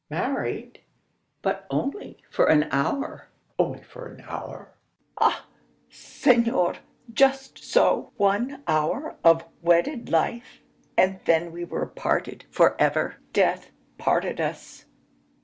"Married but only for an hour." "Only for an hour!" "Ah! senor; just so. One hour of wedded life, and then we were parted for ever. Death parted us.